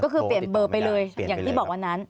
ก็คือเปลี่ยนเบอร์ไปเลยอย่างที่บอกวันนั้น